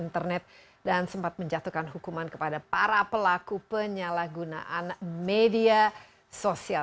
internet dan sempat menjatuhkan hukuman kepada para pelaku penyalahgunaan media sosial